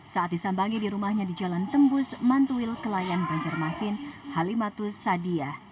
saat disambangi di rumahnya di jalan tembus mantuil kelayan banjarmasin halimatus sadia